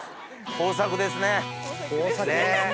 豊作ですね。